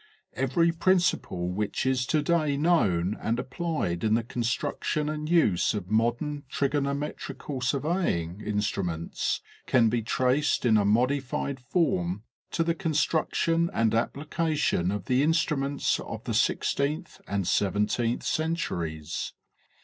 Every principle which is to day known and applied in the construction and use of modern trigo nometrical surveying instruments can be traced in a modified form to the construction and application of the instruments of the sixteenth and seventeenth centuries.